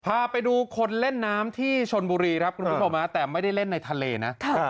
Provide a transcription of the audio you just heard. พาไปดูคนเล่นน้ำที่ชนบุรีครับคุณผู้ชมแต่ไม่ได้เล่นในทะเลนะ